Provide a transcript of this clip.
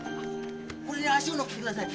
これに足を載っけてください。